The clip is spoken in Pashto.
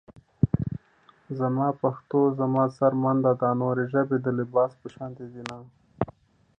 زما پښتو زما څرمن ده دا نورې ژبې د لباس پشانته دينه